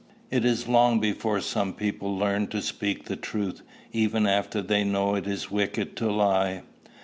It is long before some people learn to speak the truth, even after they know it is wicked to lie.